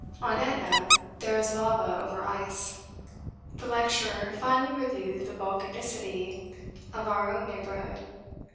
On Etna there is lava over ice. The lecturer finally reviewed the volcanicity of our own neighbourhood.